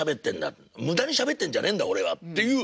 無駄にしゃべってんじゃねんだ俺はっていう。